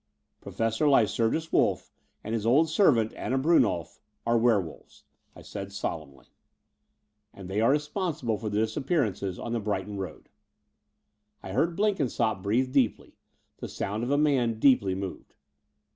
"Professor Lycurgus Wolff and his old servant, Anna Bruimolf, are werewolves," I said solenmly: i88 The Door off the Unreal "and they are responsible for the disappearances on the Brighton Road." I heard Blenkinsopp breathe deeply, the sound of a man deeply moved.